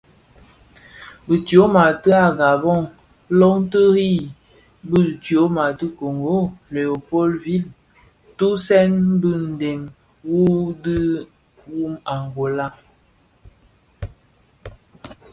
Bi tyoma ti a Gabon loň ti irig bi tyoma ti a Kongo Léo Paul Ville zugtèn bi ndem wu dhim wu a Angola.